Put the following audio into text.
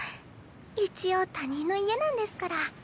一応他人の家なんですから。